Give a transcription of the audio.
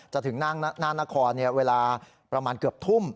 ถึงหน้านครเวลาประมาณเกือบทุ่ม